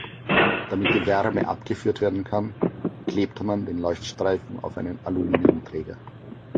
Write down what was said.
Damit die Wärme abgeführt werden kann, klebt man den Leuchtstreifen auf einen Aluminiumträger.